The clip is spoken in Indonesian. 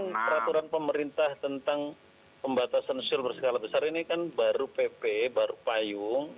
kan peraturan pemerintah tentang pembatasan sosial berskala besar ini kan baru pp baru payung